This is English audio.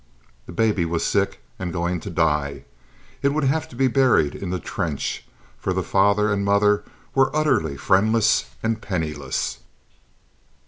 The baby was sick and going to die. It would have to be buried in "the trench," for the father and mother were utterly friendless and penniless.